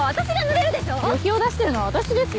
旅費を出してるのは私ですよ！